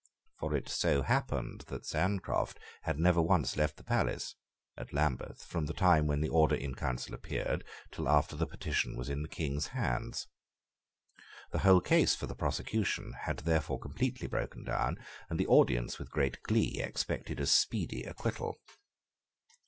For it so happened that Sancroft had never once left the palace, at Lambeth from the time when the Order in Council appeared till after the petition was in the King's hands. The whole case for the prosecution had therefore completely broken down; and the audience, with great glee, expected a speedy acquittal.